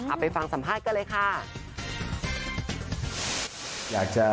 มาไปฟังสัมภาพกันเลยค่ะ